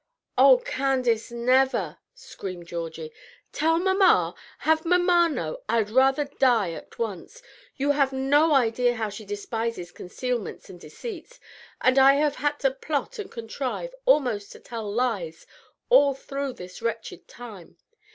"Oh, Candace, never!" screamed Georgie. "Tell mamma! Have mamma know! I'd rather die at once. You have no idea how she despises concealments and deceits; and I have had to plot and contrive, almost to tell lies, all through this wretched time.